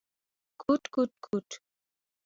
_کوټ، کوټ ، کوټ…